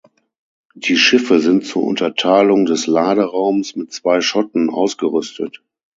Die Schiffe sind zur Unterteilung des Laderaums mit zwei Schotten ausgerüstet.